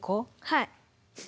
はい。